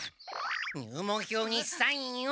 入門票にサインを！